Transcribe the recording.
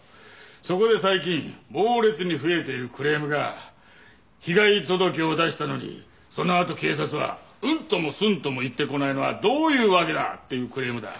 そこで最近猛烈に増えているクレームが「被害届を出したのにそのあと警察はうんともすんとも言ってこないのはどういうわけだ！」っていうクレームだ。